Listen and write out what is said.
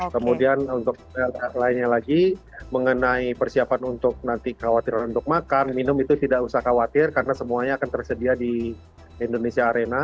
kemudian untuk lainnya lagi mengenai persiapan untuk nanti kekhawatiran untuk makan minum itu tidak usah khawatir karena semuanya akan tersedia di indonesia arena